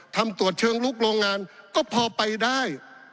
ตรวจเชิงลุกโรงงานก็พอไปได้